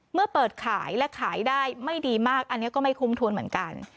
เมื่อเปิดขายและขายได้ไม่ดีมากอันนี้ก็ไม่คุ้มทวนเหมือนกัน